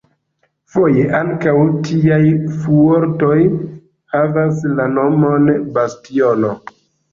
Foje ankaŭ tiaj fuortoj havas la nomon "bastiono".